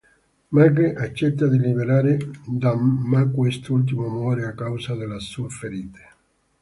Maggie accetta di liberare Dan ma quest’ultimo muore a causa delle sue ferite.